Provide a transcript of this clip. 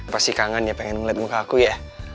pasti kangen ya pengen ngeliat muka aku ya